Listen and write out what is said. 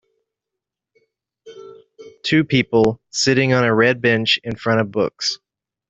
Two people sitting on a red bench in front of books.